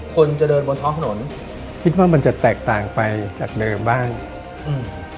คนจะเดินบนท้องถนนคิดว่ามันจะแตกต่างไปจากเดิมบ้างอืม